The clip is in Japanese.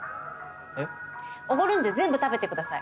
えっ？おごるんで全部食べてください。